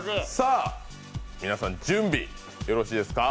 皆さん、準備よろしいですか？